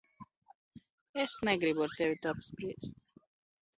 Es negribu ar tevi to apspriest.